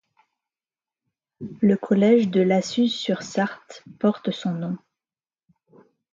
Le collège de la Suze-sur-Sarthe porte son nom.